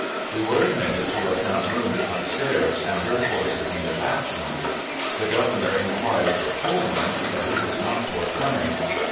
We were admitted to a front room up stairs, and heard voices in the back room. The Governor inquired for Coleman, but he was not forthcoming.